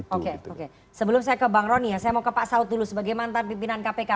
oke oke sebelum saya ke bang rony ya saya mau ke pak saud dulu sebagai mantan pimpinan kpk